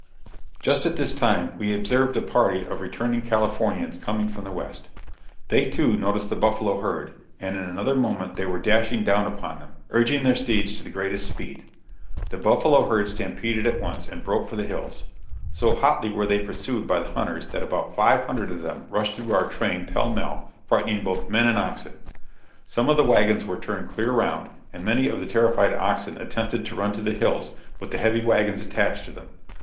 Just at this time we observed a party of returning Californians coming from the West. They, too, noticed the buffalo herd, and in another moment they were dashing down upon them, urging their steeds to the greatest speed. The buffalo herd stampeded at once, and broke for the hills; so hotly were they pursued by the hunters that about five hundred of them rushed through our train pell mell, frightening both men and oxen. Some of the wagons were turned clear round, and many of the terrified oxen attempted to run to the hills, with the heavy wagons attached to them.